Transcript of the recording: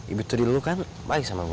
ibu teril kan baik sama gue